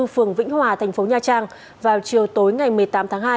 phường vĩnh hòa thành phố nha trang vào chiều tối ngày một mươi tám tháng hai